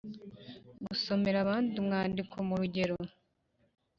Gusomera abandi uwandiko mu rugero